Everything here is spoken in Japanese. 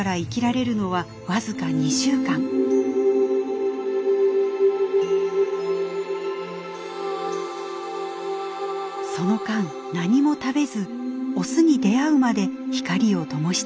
その間何も食べずオスに出会うまで光をともし続けます。